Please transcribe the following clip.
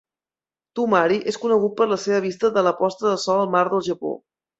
Tomari és conegut per la seva vista de la posta de sol al mar del Japó.